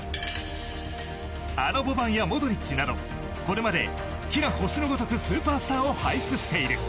あのボバンやモドリッチなどこれまで、きら星のごとくスーパースターを輩出している。